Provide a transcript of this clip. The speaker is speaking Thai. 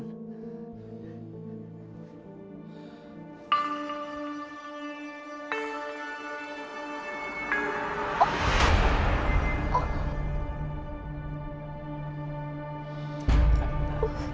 ขอบใจมากครับ